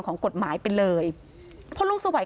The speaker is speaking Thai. ของกฎหมายไปเลยพอลุงสวัยกลับถึงบ้าน